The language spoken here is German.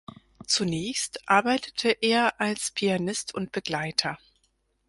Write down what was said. Zunächst arbeitete er als Pianist und Begleiter.